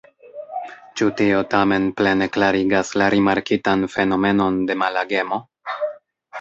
Ĉu tio tamen plene klarigas la rimarkitan fenomenon de malagemo?